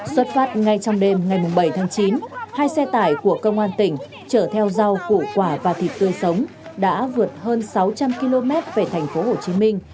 xuất phát ngay trong đêm ngày bảy tháng chín hai xe tải của công an tỉnh chở theo rau củ quả và thịt tươi sống đã vượt hơn sáu trăm linh km về thành phố hồ chí minh